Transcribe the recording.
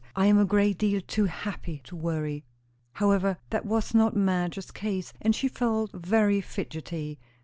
"I am a great deal too happy to worry." However, that was not Madge's case, and she felt very fidgety.